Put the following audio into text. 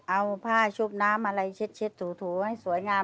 เอาผ้าชุบน้ำอะไรเช็ดถูให้สวยงาม